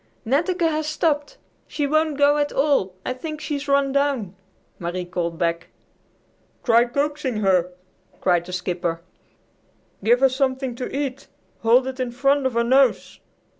"Netteke has stopped. She won't go at all. I think she's run down!" Marie called back. "Try coaxing her," cried the skipper. "Give her something to eat. Hold it in front of her nose."